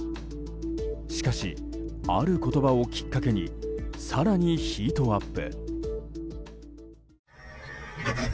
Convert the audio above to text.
しかし、ある言葉をきっかけに更にヒートアップ。